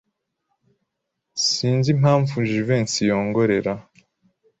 Sinzi impamvu Jivency yongorera.